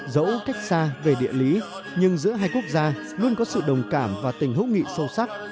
dẫu cách xa về địa lý nhưng giữa hai quốc gia luôn có sự đồng cảm và tình hữu nghị sâu sắc